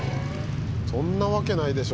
そんなわけないでしょ。